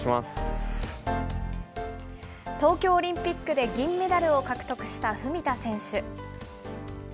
東京オリンピックで銀メダルを獲得した文田選手。